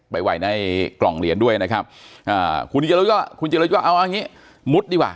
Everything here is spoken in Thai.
ไปไว้ในกล่องเหรียญด้วยนะครับคุณจิรยุทธ์ก็คุณจิรยุทธ์ก็เอาอย่างนี้มุดดีกว่า